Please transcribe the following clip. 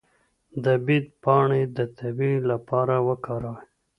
د بید پاڼې د تبې لپاره وکاروئ